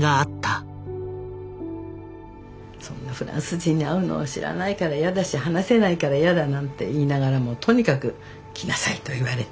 そんなフランス人に会うのは知らないから嫌だし話せないから嫌だなんて言いながらもとにかく来なさいと言われて。